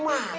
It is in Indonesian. gak ada apa